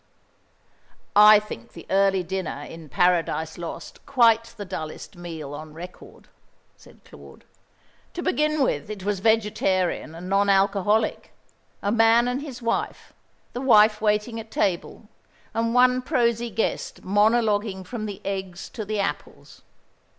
"I think the early dinner in 'Paradise Lost' quite the dullest meal on record," said Claude. "To begin with, it was vegetarian and non alcoholic. A man and his wife the wife waiting at table and one prosy guest monologuing from the eggs to the apples."